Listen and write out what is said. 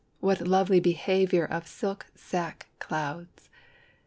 what lovely behaviour Of silk sack clouds!